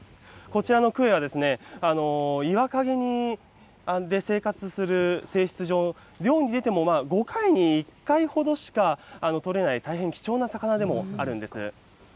こちらのクエは、岩陰で生活する性質上、漁に出ても５回に１回ほどしか取れない大変貴重な魚でもあるんです。